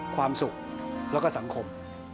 ความสุขแล้วก็สังคม